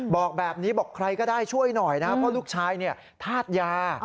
บอกแบบนี้บอกใครก็ได้ช่วยหน่อยนะเพราะลูกชายธาตุยา